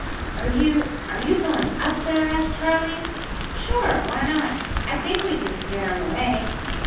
"Are you are you going up there?" asked Charley. "Sure! Why not? I think we can scare em away."